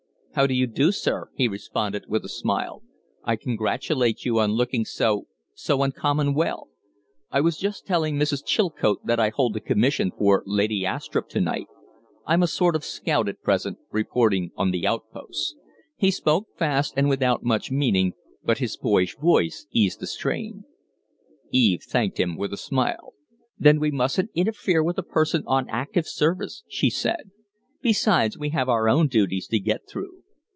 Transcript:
"How d'you do, sir?" he responded, with a smile. "I congratulate you on looking so so uncommon well. I was just telling Mrs. Chilcote that I hold a commission for Lady Astrupp to night. I'm a sort of scout at present reporting on the outposts." He spoke fast and without much meaning, but his boyish voice eased the strain. Eve thanked him with a smile. "Then we mustn't interfere with a person on active service," she said. "Besides, we have our own duties to get through."